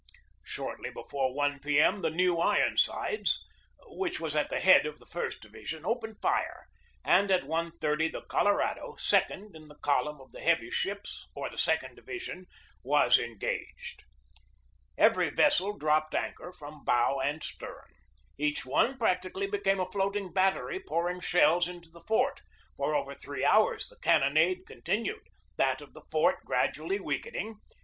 Shortly before I p. M., the New Ironsides, which was at the head of the first division, opened fire; and at 1.30 the Colorado, second in the column of the heavy ships, or the second division, was engaged. Each vessel dropped anchor from bow and stern. Each one practically became a floating battery pour ing shells into the fort. For over three hours the cannonade continued, that of the fort gradually weakening.